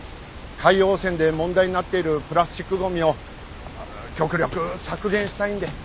海洋汚染で問題になっているプラスチックゴミを極力削減したいんで。